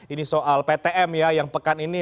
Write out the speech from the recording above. ini soal ptm ya yang pekan ini